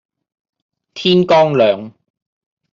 天剛亮